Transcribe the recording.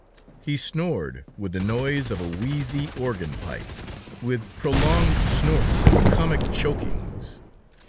He snored with the noise of a wheezy organ pipe, with prolonged snorts and comic chokings.